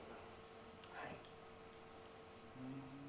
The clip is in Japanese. はい。